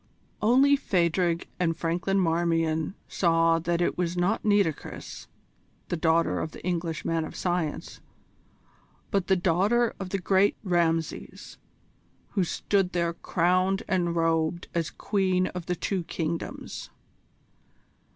Only Phadrig and Franklin Marmion saw that it was not Nitocris, the daughter of the English man of science, but the daughter of the great Rameses who stood there crowned and robed as Queen of the Two Kingdoms.